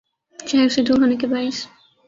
شہر سے دور ہونے کے باعث